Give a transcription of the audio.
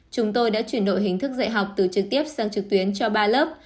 chúng tôi đã chuyển đổi hình thức dạy học từ trực tiếp sang trực tuyến cho ba lớp